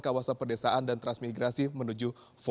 kawasan perdesaan dan transmigrasi menuju empat